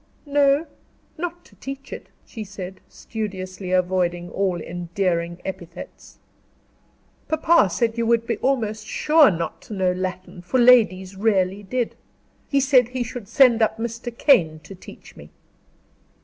"No not to teach it," she said, studiously avoiding all endearing epithets. "Papa said you would be almost sure not to know Latin, for that ladies rarely did. He said he should send up Mr. Kane to teach me."